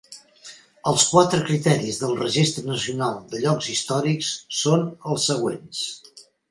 Els quatre criteris del Registre Nacional de Llocs Històrics són els següents.